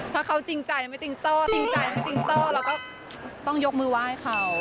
ถ้าเขาจริงใจไม่จริงจ้อเราก็ต้องยกมือไหว้เขา